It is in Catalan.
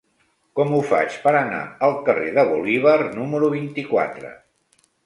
Com ho faig per anar al carrer de Bolívar número vint-i-quatre?